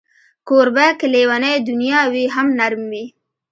کوربه که لېونۍ دنیا وي، هم نرم وي.